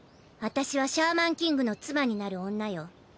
私はシャーマンキングの妻になる女よ。